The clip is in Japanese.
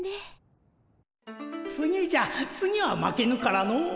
次じゃ次は負けぬからの。